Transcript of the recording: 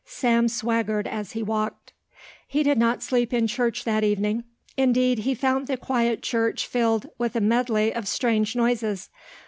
Sam swaggered as he walked. He did not sleep in church that evening; indeed he found the quiet church filled with a medley of strange noises.